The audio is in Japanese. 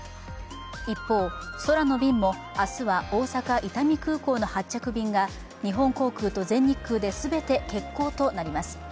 一方、空の便も明日は大阪・伊丹空港の発着便が日本航空と全日空で全て欠航となります。